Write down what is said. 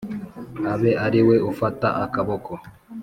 abe ari we ufata akaboko.